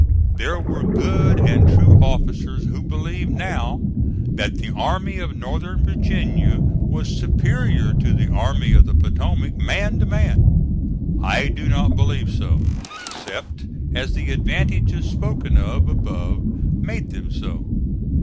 There were good and true officers who believe now that the Army of Northern Virginia was superior to the Army of the Potomac man to man. I do not believe so, except as the advantages spoken of above made them so.